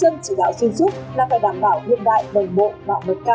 năm hai nghìn hai mươi một với phương chân chỉ đạo xuyên suốt là phải đảm bảo hiện đại đồng bộ